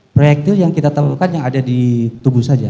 proyektil yang kita temukan yang ada di tubuh saja